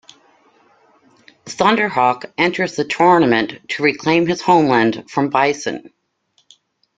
Thunder Hawk enters the tournament to reclaim his homeland from Bison.